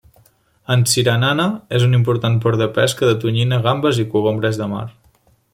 Antsiranana és un important port de pesca de tonyina, gambes i cogombres de mar.